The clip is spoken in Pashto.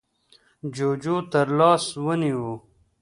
جُوجُو تر لاس ونيو: